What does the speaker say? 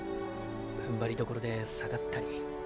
ふんばりどころで下がったり。